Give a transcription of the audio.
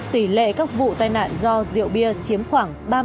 tỷ lệ các vụ tai nạn do rượu bia chiếm khoảng ba mươi chín sáu